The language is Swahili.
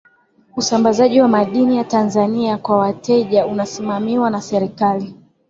usambazaji wa madini ya tanzania kwa wateja unasimamiwa na serikali